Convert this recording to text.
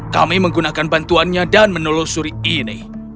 kami menggunakan bantuannya dan menelusuri ini